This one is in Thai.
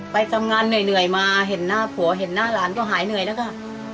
ไปทำงานเหนื่อยมาเห็นหน้าผัวเห็นหน้าหลานก็หายเหนื่อยแล้วค่ะ